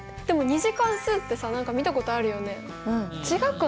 でも「２次関数」ってさ何か見たことあるよね。